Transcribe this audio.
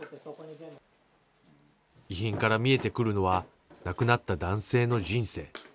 遺品から見えてくるのは、亡くなった男性の人生。